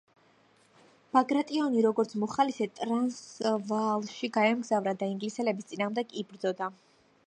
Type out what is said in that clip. ბაგრატიონი, როგორც მოხალისე, ტრანსვაალში გაემგზავრა და ინგლისელების წინააღმდეგ იბრძოდა.